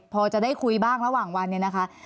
พอจะได้คุยบ้างระหว่างวันเนี่ยนะคะ